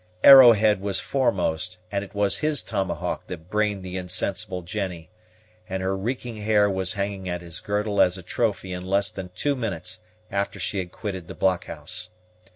Arrowhead was foremost, and it was his tomahawk that brained the insensible Jennie; and her reeking hair was hanging at his girdle as a trophy in less than two minutes after she had quitted the blockhouse.